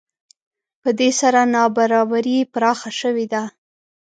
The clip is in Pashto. په دې سره نابرابري پراخه شوې ده